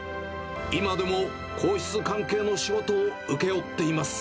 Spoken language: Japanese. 今でも皇室関係の仕事を請け負っています。